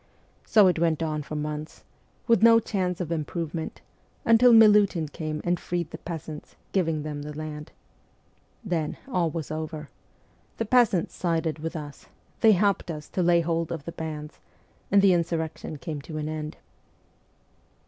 So it went on for months, with no chance of improvement, until Milutin came and freed the peasants, giving them the land. Then all was over. The peasants sided with us ; they helped us to lay hold of the bands, and the insurrection came to an end.'